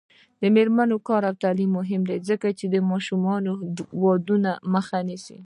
د میرمنو کار او تعلیم مهم دی ځکه چې ماشوم ودونو مخه نیسي.